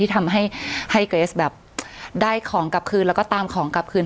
ทำให้ให้เกรสแบบได้ของกลับคืนแล้วก็ตามของกลับคืน